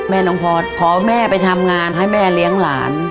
น้องพอร์ตขอแม่ไปทำงานให้แม่เลี้ยงหลาน